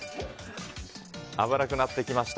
危なくなってきました。